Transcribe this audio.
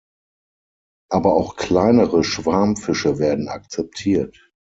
Aber auch kleinere Schwarmfische werden akzeptiert.